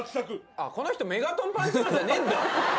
あっ、この人、メガトンパンチマンじゃねえんだ。